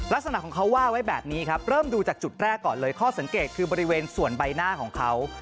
ลักษณะของเขาว่าไว้แบบนี้ครับเริ่มดูจากจุดแรกก่อนเลยข้อสังเกตคือบริเวณส่วนใบหน้าของเขา